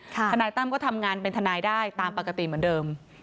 ทนายตั้มก็ทำงานเป็นทนายได้ตามปกติเหมือนเดิม